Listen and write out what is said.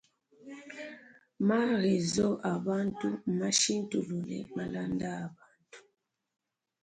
Ma rezo a bantu mmashintulule malanda a bantu.